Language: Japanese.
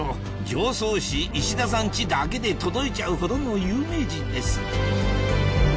「常総市石田さんち」だけで届いちゃうほどの有名人です